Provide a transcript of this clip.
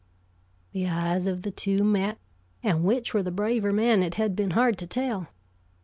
The eyes of the two met, and which were the braver man it had been hard to tell.